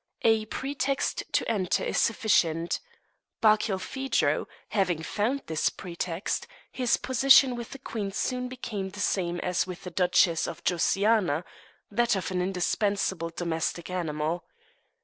A pretext to enter is sufficient. Barkilphedro, having found this pretext, his position with the queen soon became the same as that with the Duchess Josiana that of an indispensable domestic animal.